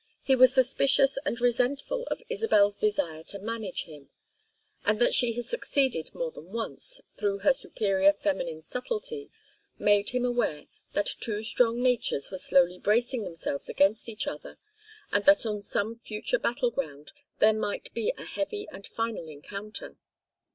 He was suspicious and resentful of Isabel's desire to manage him; and that she had succeeded more than once, through her superior feminine subtlety, made him aware that two strong natures were slowly bracing themselves against each other, and that on some future battle ground there might be a heavy and final encounter.